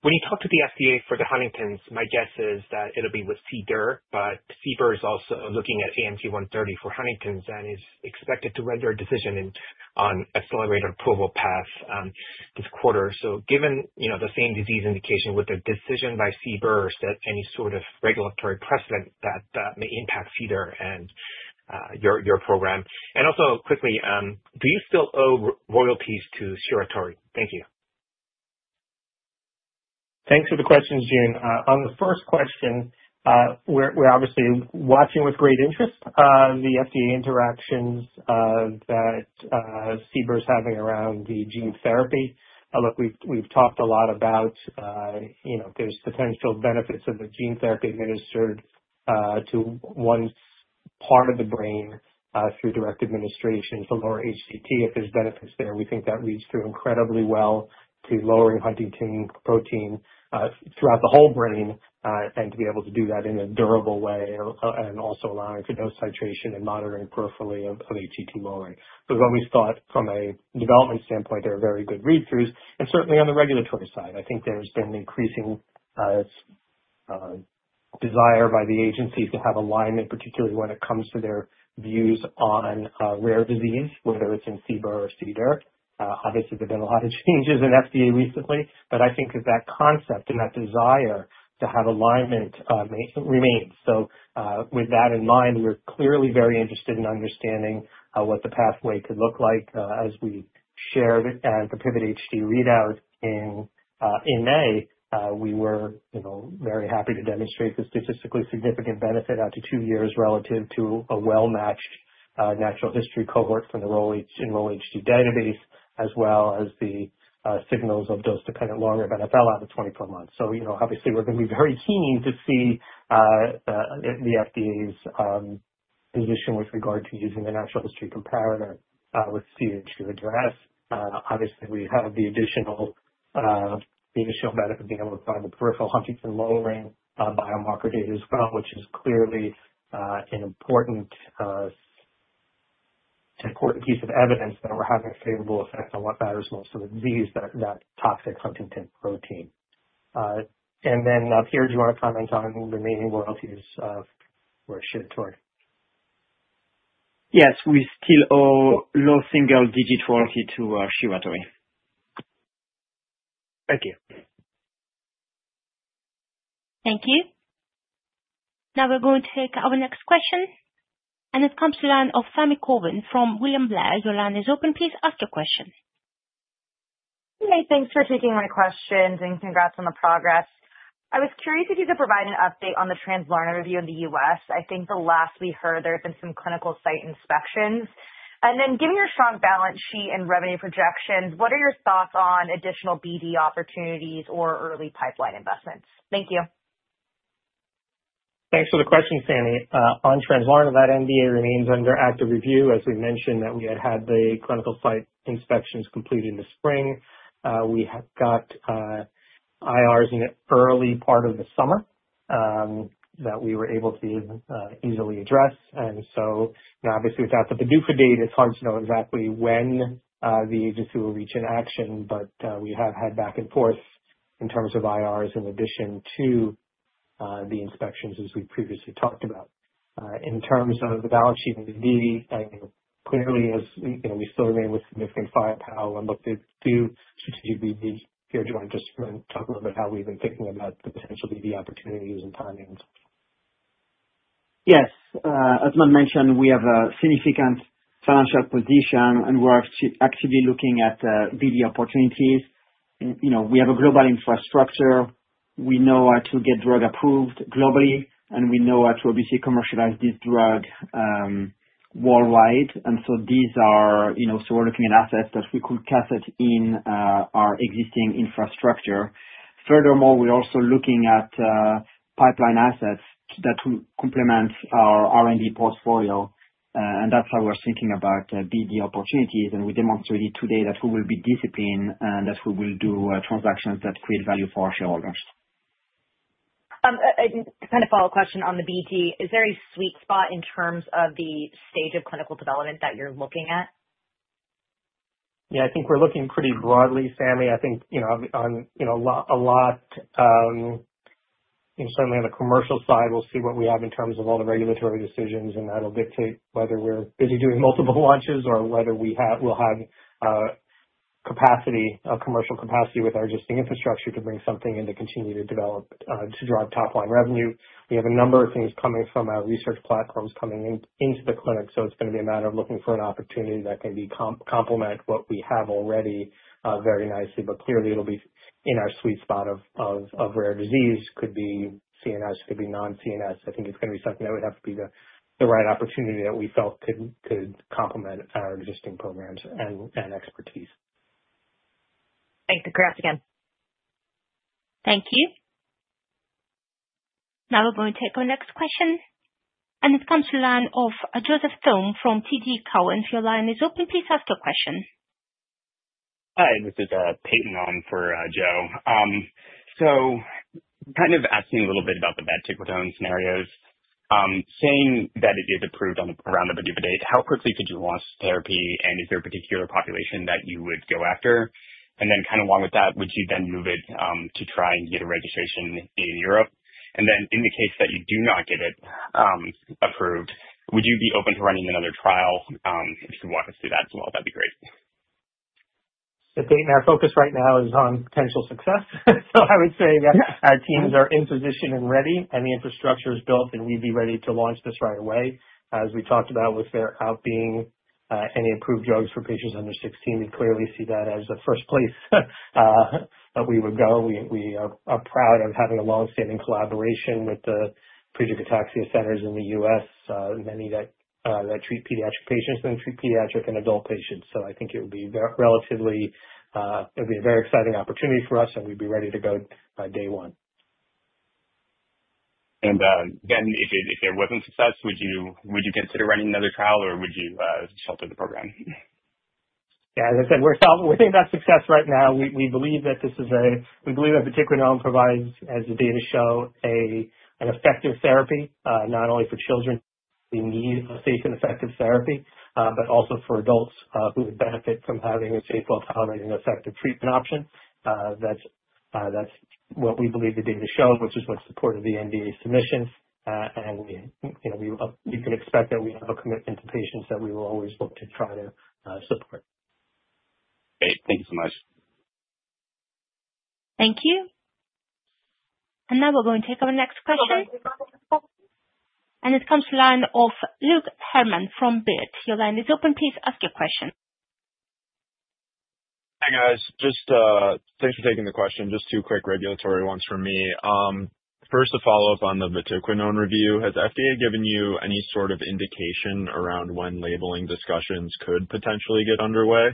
When you talk to the FDA for the Huntington's, my guess is that it'll be with CBER, but CBER is also looking at AMT-130 for Huntington's and is expected to render a decision on accelerated approval path this quarter. Given the same disease indication with the decision by CBER, is that any sort of regulatory precedent that may impact CBER and your program? Also, do you still owe royalties to Censa? Thank you. Thanks for the question, Joon. On the first question, we're obviously watching with great interest the FDA interactions that CBER is having around the gene therapy. Look, we've talked a lot about, you know, if there's potential benefits of the gene therapy administered to one part of the brain through direct administration to lower HCT. If there's benefits there, we think that leads through incredibly well to lowering Huntington's protein throughout the whole brain and to be able to do that in a durable way and also allowing for dose titration and monitoring peripherally of HCT lowering. We've always thought from a development standpoint, there are very good read-throughs. Certainly on the regulatory side, I think there's been an increasing desire by the agencies to have alignment, particularly when it comes to their views on rare disease, whether it's in CBER or CBER. Obviously, there have been a lot of changes in FDA recently, but I think that that concept and that desire to have alignment remains. With that in mind, we're clearly very interested in understanding what the pathway could look like. As we shared at the PIVOT-HD readout in May, we were very happy to demonstrate the statistically significant benefit after two years relative to a well-matched natural history cohort from the enrolled HD database, as well as the signals of dose-dependent longer MFL out of 24 months. We're going to be very keen to see the FDA's position with regard to using the natural history comparator with CBER to address. Obviously, we have the additional benefit of being able to find the peripheral Huntington lowering biomarker data as well, which is clearly an important piece of evidence that we're having favorable effects on what matters most, so the disease, not toxic Huntington protein. Pierre, do you want to comment on the remaining royalties for Suratori? Yes, we still owe low single-digit royalty to Censa Pharmaceuticals. Thank you. Thank you. Now we're going to take our next question. This comes to the line of Sami Corwin from William Blair. Your line is open. Please ask your question. Hey, thanks for taking my questions and congrats on the progress. I was curious if you could provide an update on the Translarna review in the U.S. I think the last we heard, there have been some clinical site inspections. Given your strong balance sheet and revenue projections, what are your thoughts on additional BD opportunities or early pipeline investments? Thank you. Thanks for the question, Sami. On Translarna, that NDA remains under active review. As we mentioned, we had had the clinical site inspections completed in the spring. We got IRs in the early part of the summer that we were able to easily address. Obviously, without the FDA, it's hard to know exactly when the agency will reach an action, but we have had back and forth in terms of IRs in addition to the inspections, as we previously talked about. In terms of the balance sheet and the BD, clearly, as you know, we still remain with significant firepower and look to do strategic BD. Pierre, do you want to just talk a little bit about how we've been thinking about the potential BD opportunities and timings? Yes. As I mentioned, we have a significant financial position and we're actually looking at BD opportunities. We have a global infrastructure. We know how to get drug approved globally, and we know how to, obviously, commercialize this drug worldwide. These are, you know, so we're looking at assets that we could cast in our existing infrastructure. Furthermore, we're also looking at pipeline assets that will complement our R&D portfolio. That's how we're thinking about BD opportunities. We demonstrated today that we will be disciplined and that we will do transactions that create value for our shareholders. Kind of follow-up question on the BD. Is there a sweet spot in terms of the stage of clinical development that you're looking at? Yeah, I think we're looking pretty broadly, Sami. I think a lot certainly on the commercial side, we'll see what we have in terms of all the regulatory decisions. That'll dictate whether we're busy doing multiple launches or whether we'll have capacity, commercial capacity with our existing infrastructure to bring something in to continue to develop to drive top-line revenue. We have a number of things coming from our research platforms coming into the clinic. It's going to be a matter of looking for an opportunity that can complement what we have already very nicely. Clearly, it'll be in our sweet spot of rare disease. It could be CNS. It could be non-CNS. I think it's going to be something that would have to be the right opportunity that we felt could complement our existing programs and expertise. Thank you. Congrats again. Thank you. Now we're going to take our next question. This comes to the line of Joseph Thome from TD Cowen. Your line is open. Please ask your question. Hi, this is Peyton on for Joe. Kind of asking a little bit about the vatiquinone scenarios. Saying that it is approved around the FDA, how quickly could you launch therapy? Is there a particular population that you would go after? Along with that, would you then move it to try and get a registration in Europe? In the case that you do not get it approved, would you be open to running another trial? If you could walk us through that as well, that'd be great. The date and our focus right now is on clinical success. I would say that our teams are in position and ready, and the infrastructure is built, and we'd be ready to launch this right away. As we talked about with there not being any approved drugs for patients under 16, we clearly see that as the first place that we would go. We are proud of having a longstanding collaboration with the Friedreich ataxia centers in the U.S., many that treat pediatric patients and treat pediatric and adult patients. I think it would be a very exciting opportunity for us, and we'd be ready to go day one. If there wasn't success, would you consider running another trial, or would you shelter the program? As I said, we're thinking about success right now. We believe that this is a, we believe that vatiquinone provides, as the data show, an effective therapy, not only for children who need a safe and effective therapy, but also for adults who would benefit from having a safe, well-tolerated, and effective treatment option. That's what we believe the data show versus what's supported the NDA submission. You can expect that we have a commitment to patients that we will always look to try to support. Great. Thank you so much. Thank you. We are going to take our next question. This comes to the line of Luke Hermann from Baird. Your line is open. Please ask your question. Hi, guys. Thanks for taking the question. Just two quick regulatory ones from me. First, a follow-up on the vatiquinone review. Has the FDA given you any sort of indication around when labeling discussions could potentially get underway?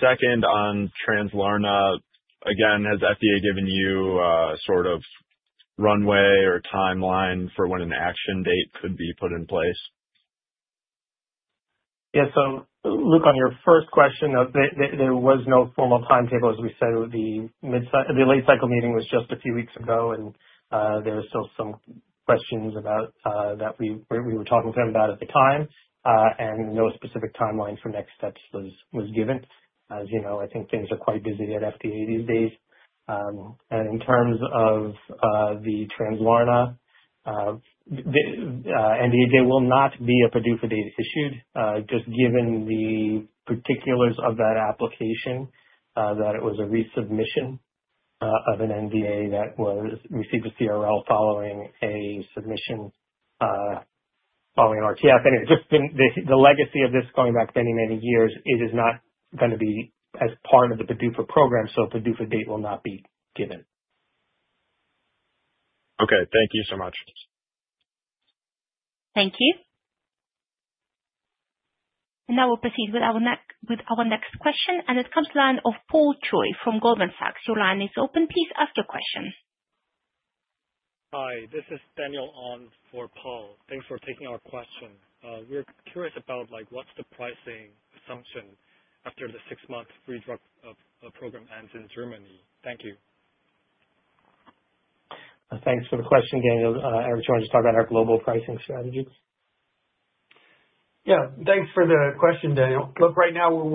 Second, on Translarna, has the FDA given you a sort of runway or timeline for when an action date could be put in place? Yeah. Luke, on your first question, there was no formal timetable. As we said, the mid-side, the late-cycle meeting was just a few weeks ago, and there were still some questions that we were talking with them about at the time. No specific timeline for next steps was given. As you know, I think things are quite busy at the FDA these days. In terms of the Translarna NDA, there will not be a PDUFA date issued, just given the particulars of that application, that it was a resubmission of an NDA that received a CRL following a submission following an RTF. Anyway, just the legacy of this going back many, many years, it is not going to be as part of the PDUFA program. A PDUFA date will not be given. Okay, thank you so much. Thank you. Now we'll proceed with our next question. This comes to the line of Paul Choi from Goldman Sachs. Your line is open. Please ask your question. Hi. This is Daniel on for Paul. Thanks for taking our question. We're curious about what's the pricing assumption after the six-month free drug program ends in Germany? Thank you. Thanks for the question, Daniel. Eric, do you want to just talk about our global pricing strategy? Yeah. Thanks for the question, Daniel. Look, right now, we're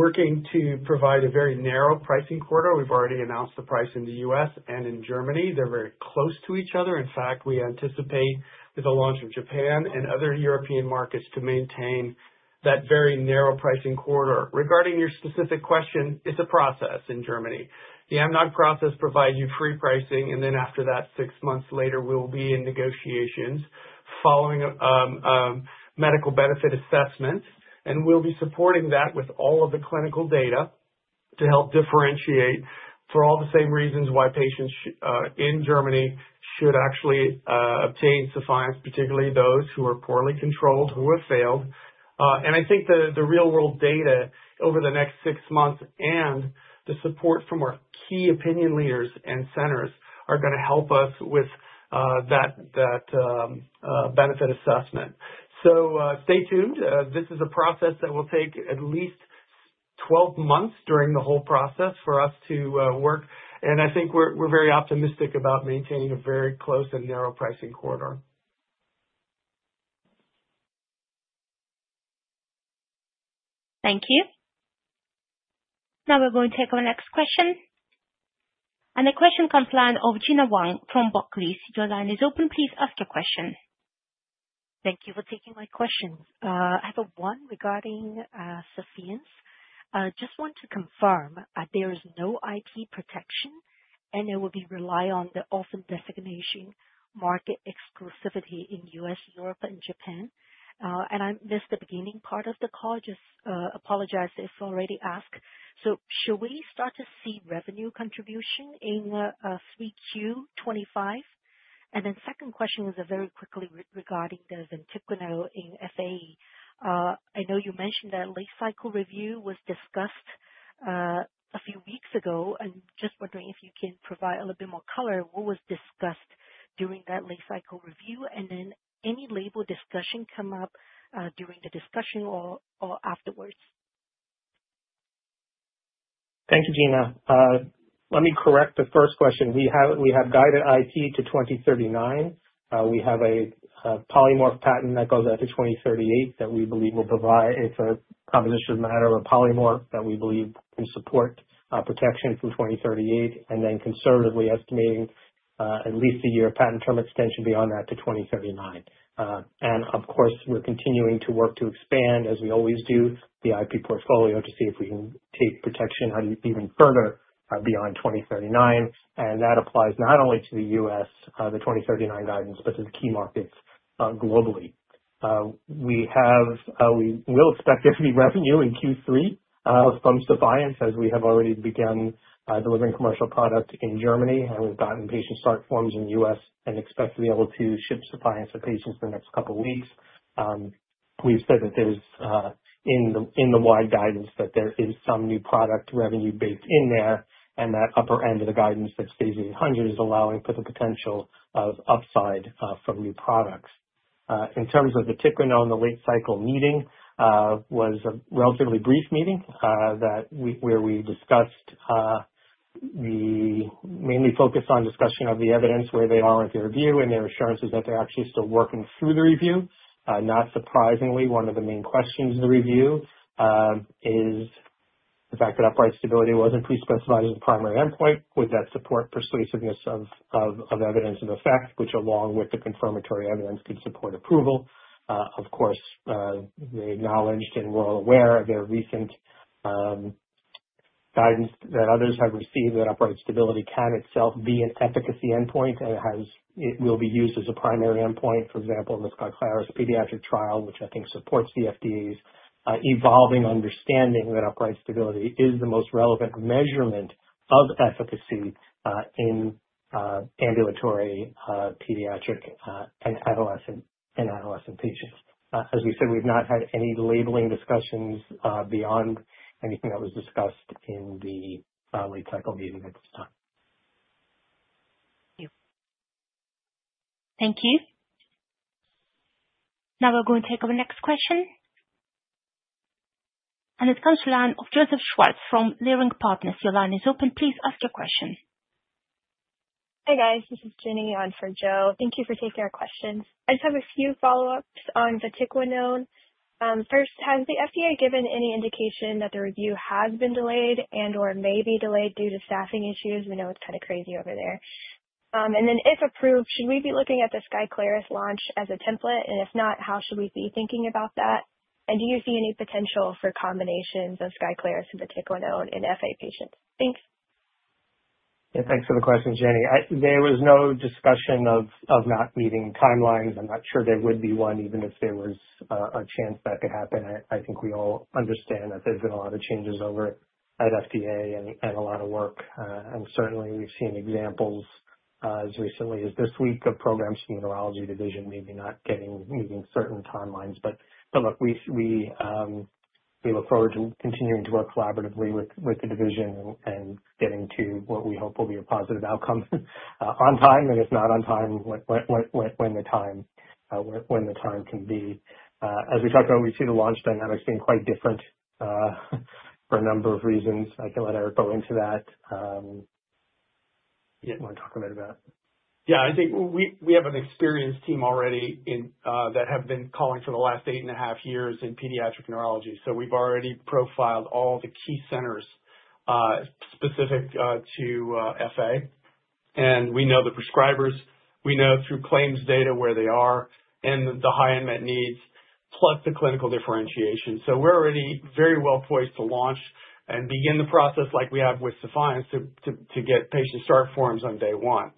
working to provide a very narrow pricing corridor. We've already announced the price in the U.S. and in Germany. They're very close to each other. In fact, we anticipate with the launch of Japan and other European markets to maintain that very narrow pricing corridor. Regarding your specific question, it's a process in Germany. The AMNOG process provides you free pricing, and then after that, six months later, we'll be in negotiations following a medical benefit assessment. We'll be supporting that with all of the clinical data to help differentiate for all the same reasons why patients in Germany should actually obtain SEPHIENCE, particularly those who are poorly controlled, who have failed. I think the real-world data over the next six months and the support from our key opinion leaders and centers are going to help us with that benefit assessment. Stay tuned. This is a process that will take at least 12 months during the whole process for us to work. I think we're very optimistic about maintaining a very close and narrow pricing corridor. Thank you. Now we're going to take our next question. The question comes to the line of Gena Wang from Barclays. Your line is open. Please ask your question. Thank you for taking my questions. I have one regarding SEPHIENCE. I just want to confirm that there is no IP protection, and it will be relied on the author designation market exclusivity in the U.S., Europe, and Japan. I missed the beginning part of the call. I apologize if I already asked. Should we start to see revenue contribution in 3Q 2025? The second question is very quickly regarding vatiquinone in FA. I know you mentioned that late-cycle review was discussed a few weeks ago. I'm just wondering if you can provide a little bit more color. What was discussed during that late-cycle review? Did any label discussion come up during the discussion or afterwards? Thanks, Gena. Let me correct the first question. We have guided IP to 2039. We have a polymorph patent that goes out to 2038 that we believe will provide. It's a composition of matter or polymorph that we believe we support protection from 2038, and then conservatively estimating at least a year patent term extension beyond that to 2039. Of course, we're continuing to work to expand, as we always do, the IP portfolio to see if we can take protection out even further beyond 2039. That applies not only to the U.S., the 2039 guidance, but to the key markets globally. We will expect there to be revenue in Q3 from SEPHIENCE as we have already begun delivering commercial product in Germany. We've gotten patient start forms in the U.S. and expect to be able to ship SEPHIENCE to patients in the next couple of weeks. We've said that there's in the wide guidance that there is some new product revenue baked in there, and that upper end of the guidance that stays in the 100 is allowing for the potential of upside from new products. In terms of vatiquinone, the late-cycle meeting was a relatively brief meeting where we discussed the mainly focused on discussion of the evidence, where they are in the review, and their assurances that they're actually still working through the review. Not surprisingly, one of the main questions in the review is the fact that upright stability wasn't pre-specified as a primary endpoint. Would that support persuasiveness of evidence and effect, which along with the confirmatory evidence could support approval? Of course, they acknowledged and were aware of their recent guidance that others have received that upright stability can itself be an efficacy endpoint and it will be used as a primary endpoint, for example, in the Skyclarys pediatric trial, which I think supports the FDA's evolving understanding that upright stability is the most relevant measurement of efficacy in ambulatory pediatric and adolescent patients. As we said, we've not had any labeling discussions beyond anything that was discussed in the late-cycle meeting at this time. Thank you. Now we're going to take our next question. This comes to the line of Joseph Schwartz from Leerink Partners. Your line is open. Please ask your question. Hey, guys. This is Jenny on for Joe. Thank you for taking our questions. I just have a few follow-ups on vatiquinone. First, has the FDA given any indication that the review has been delayed and/or may be delayed due to staffing issues? We know it's kind of crazy over there. If approved, should we be looking at the Skyclarys launch as a template? If not, how should we be thinking about that? Do you see any potential for combinations of Skyclarys and vatiquinone in FA patients? Thanks. Yeah, thanks for the question, Jenny. There was no discussion of not meeting timelines. I'm not sure there would be one, even if there was a chance that could happen. I think we all understand that there's been a lot of changes over at FDA and a lot of work. Certainly, we've seen examples, as recently as this week, of programs in the neurology division maybe not meeting certain timelines. We look forward to continuing to work collaboratively with the division and getting to what we hope will be a positive outcome on time. If not on time, when the time can be. As we talked about, we see the launch dynamics being quite different for a number of reasons. I can let Eric go into that. Yeah, you want to talk a bit about it? Yeah, I think we have an experienced team already that have been calling for the last eight and a half years in pediatric neurology. We've already profiled all the key centers specific to FA, and we know the prescribers. We know through claims data where they are and the high unmet needs, plus the clinical differentiation. We're already very well poised to launch and begin the process like we have with SEPHIENCE to get patient start forms on day one.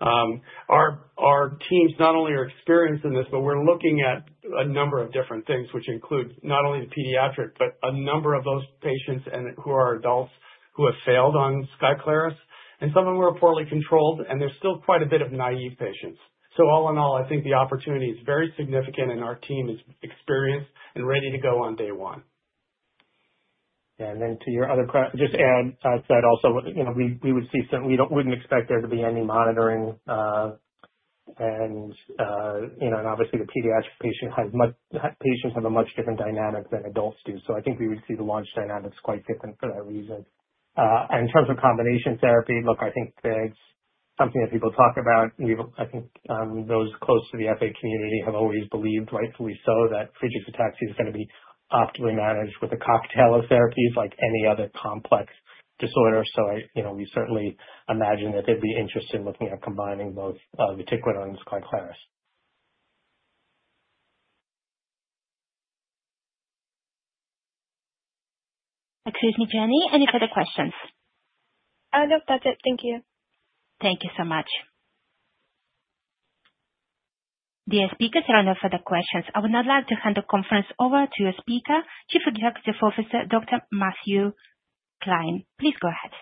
Our teams not only are experienced in this, but we're looking at a number of different things, which include not only the pediatric, but a number of those patients who are adults who have failed on Skyclarys. Some of them are poorly controlled, and there's still quite a bit of naive patients. All in all, I think the opportunity is very significant, and our team is experienced and ready to go on day one. Yeah, to your other point, just to add to that also, we would see certainly we wouldn't expect there to be any monitoring. Obviously, the pediatric patients have a much different dynamic than adults do. I think we would see the launch dynamics quite different for that reason. In terms of combination therapy, I think that's something that people talk about. I think those close to the Friedreich ataxia community have always believed, rightfully so, that Friedreich ataxia is going to be optimally managed with a cocktail of therapies like any other complex disorder. We certainly imagine that they'd be interested in looking at combining both vatiquinone and Skyclarys. Excuse me, JEnny, any further questions? Oh, no, that's it. Thank you. Thank you so much. Dear speakers, there are no further questions. I would now like to hand the conference over to your speaker, Chief Executive Officer, Dr. Matthew Klein. Please go ahead.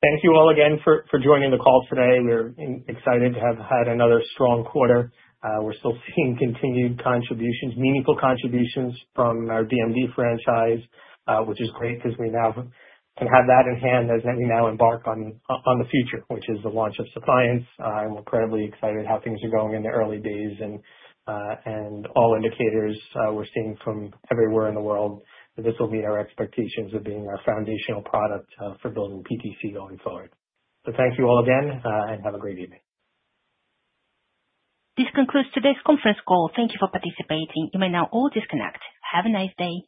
Thank you all again for joining the call today. We're excited to have had another strong quarter. We're still seeing continued contributions, meaningful contributions from our DMD franchise, which is great because we now can have that in hand as we now embark on the future, which is the launch of SEPHIENCE. We're incredibly excited how things are going in the early days, and all indicators we're seeing from everywhere in the world that this will meet our expectations of being our foundational product for building PTC going forward. Thank you all again and have a great evening. This concludes today's conference call. Thank you for participating. You may now all disconnect. Have a nice day.